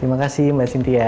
terima kasih mbak cynthia